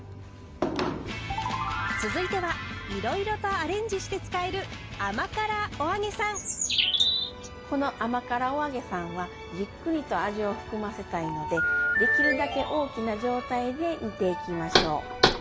続いてはいろいろとアレンジして使えるこの甘辛お揚げさんはじっくりと味を含ませたいのでできるだけ大きな状態で煮ていきましょう。